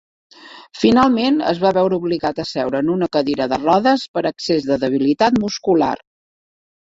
Finalment, es va veure obligat a seure en una cadira de rodes per excés de debilitat muscular.